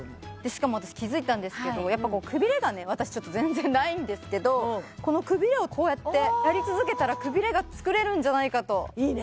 しかも私気付いたんですけどやっぱこうくびれがね私全然ないんですけどこのくびれをこうやってやり続けたらくびれが作れるんじゃないかといいね